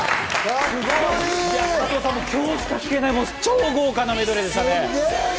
加藤さんも、今日しか聴けない、豪華なメドレーでしたね。